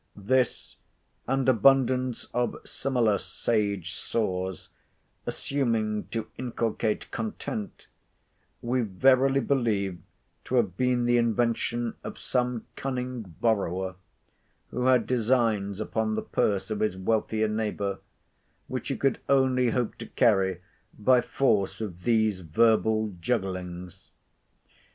This, and abundance of similar sage saws assuming to inculcate content, we verily believe to have been the invention of some cunning borrower, who had designs upon the purse of his wealthier neighbour, which he could only hope to carry by force of these verbal jugglings.